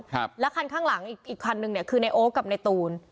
ครับแล้วคันข้างหลังอีกอีกคันนึงเนี่ยคือในโอ๊คกับในตูน